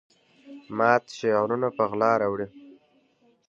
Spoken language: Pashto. ماته شعرونه په غلا راوړي